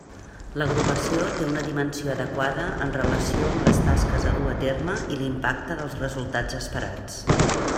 L'agrupació té una dimensió adequada en relació amb les tasques a dur a terme i l'impacte dels resultats esperats.